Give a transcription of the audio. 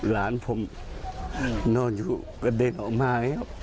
ร้านผมนอนอยู่กระเด็นออกมา